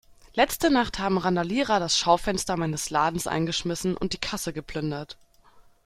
Letzte Nacht haben Randalierer das Schaufenster meines Ladens eingeschmissen und die Kasse geplündert.